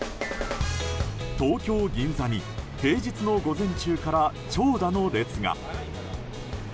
東京・銀座に平日の午前中から長蛇の列が。